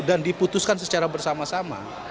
dan diputuskan secara bersama sama